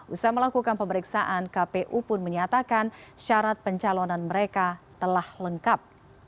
usaha melakukan pemeriksaan kpu pun menyatakan syarat pencalonan mereka telah lengkap